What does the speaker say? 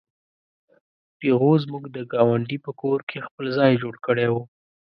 پيغو زموږ د ګاونډي په کور کې خپل ځای جوړ کړی و.